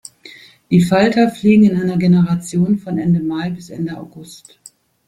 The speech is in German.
Die Falter fliegen in einer Generation von Ende Mai bis Ende August.